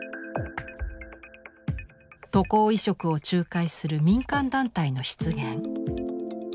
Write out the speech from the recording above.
渡航移植を仲介する民間団体の出現。